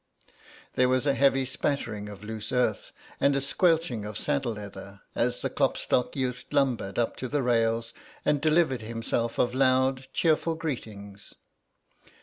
There was a heavy spattering of loose earth, and a squelching of saddle leather, as the Klopstock youth lumbered up to the rails and delivered himself of loud, cheerful greetings.